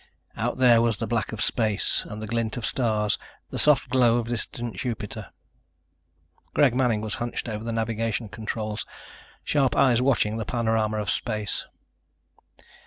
Out there was the black of space and the glint of stars, the soft glow of distant Jupiter. Greg Manning was hunched over the navigation controls, sharp eyes watching the panorama of space.